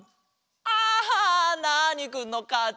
あナーニくんのかち。